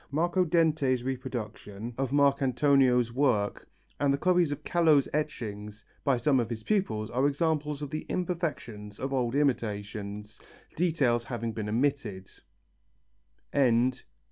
Marco Dente's reproduction of Marcantonio's work and the copies of Callot's etchings by some of his pupils are examples of the imperfections of old imitations, details having been omitted.